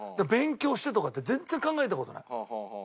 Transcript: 勉強してとかって全然考えた事ない。